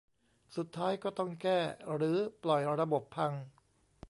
สุดท้ายก็ต้องแก้ หรือปล่อยระบบพัง